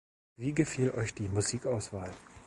Wie gefiel euch die Musikauswahl?